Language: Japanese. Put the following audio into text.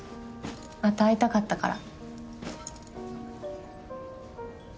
また会いたかったから。